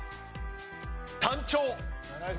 タンチョウ。